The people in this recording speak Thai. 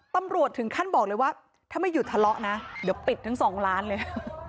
ถึงขั้นบอกเลยว่าถ้าไม่หยุดทะเลาะนะเดี๋ยวปิดทั้งสองล้านเลย